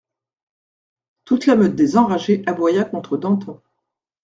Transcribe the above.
Toute la meute des enragés aboya contre Danton.